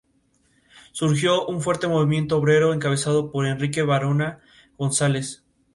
Surgió un fuerte movimiento obrero encabezado por Enrique Varona González.